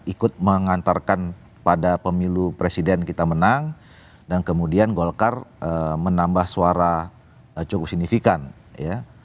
ikut mengantarkan pada pemilu presiden kita menang dan kemudian golkar menambah suara cukup signifikan ya